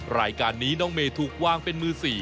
รายการนี้น้องเมย์ถูกวางเป็นมือ๔